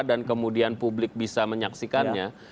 dan kemudian publik bisa menyaksikannya